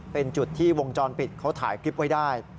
เป็นจุดที่วงจรปิดเขาถ่ายคลิปไว้ได้